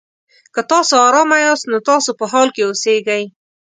که تاسو ارامه یاست؛ نو تاسو په حال کې اوسېږئ.